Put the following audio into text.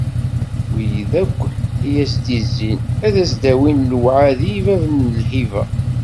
Wid akk i as-d-izzin, ad s-d-awin lewɛadi i bab n lhiba.